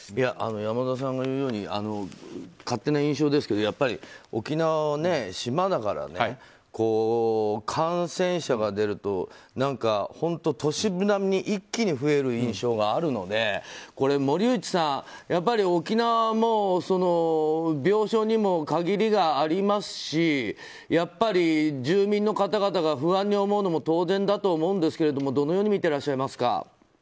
山田さんが言うように勝手な印象ですけど沖縄は島だから感染者が出ると本当、都市部並みに一気に増える印象があるので森内さん、やっぱり沖縄も病床にも限りがありますし住民の方々が不安に思うのも当然だと思うんですがどのように見ていらっしゃいますか？